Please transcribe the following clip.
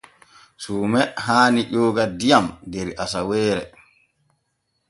Suume haani jooga diyam der asaweere.